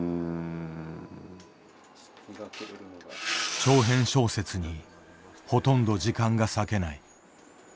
長編小説にほとんど時間が割けない。